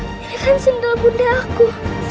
ini ini kan ini kan sendal bunda aku